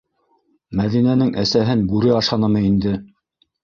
Мәҙинәнең әсәһен бүре ашанымы инде?